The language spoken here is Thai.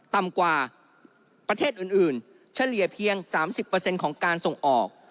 ต่ำกว่าประเทศอื่นเฉลี่ยเพียง๓๐ของการส่งออก